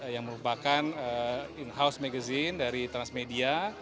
yang merupakan in house magazine dari transmedia